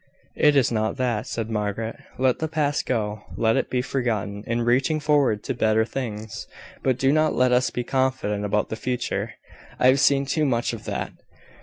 "It is not that," said Margaret. "Let the past go. Let it be forgotten in reaching forward to better things. But do not let us be confident about the future. I have seen too much of that.